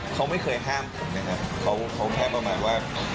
เขาไม่เคยห้ามผมนะครับเขาแค่ประมาณว่า